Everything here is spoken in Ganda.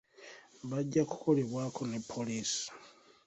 Bajja kukolebwako ne poliisi.